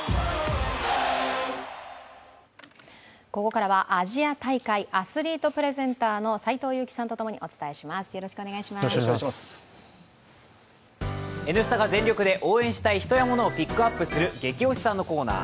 ここからはアジア大会アスリートプレゼンターの「Ｎスタ」が全力で応援したい人やものをピックアップする「ゲキ推しさん」のコーナー。